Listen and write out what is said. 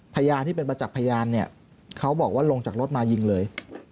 พยานที่เป็นประจักษ์พยานเนี่ยเขาบอกว่าลงจากรถมายิงเลย